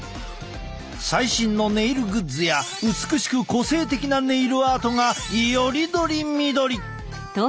最新のネイルグッズや美しく個性的なネイルアートがより取り見取り！